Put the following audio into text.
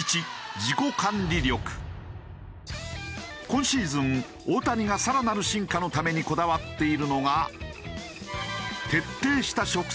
今シーズン大谷が更なる進化のためにこだわっているのが。